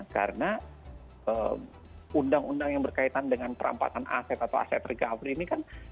karena undang undang yang berkaitan dengan perampasan aset atau aset recovery ini kan